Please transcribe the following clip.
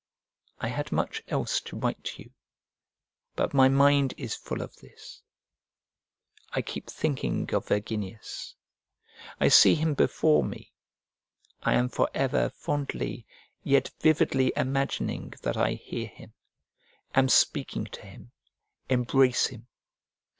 I had much else to write to you but my mind is full of this. I keep thinking of Verginius: I see him before me: I am for ever fondly yet vividly imagining that I hear him, am speaking to him, embrace him.